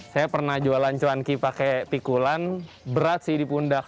saya pernah jualan cuanki pakai pikulan berat sih dipundak